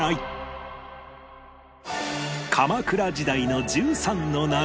鎌倉時代の１３の謎